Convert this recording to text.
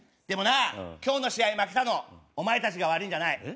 でもな今日の試合に負けたのお前たちが悪いんじゃない。